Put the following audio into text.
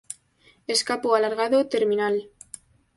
Escapo alargado, terminal.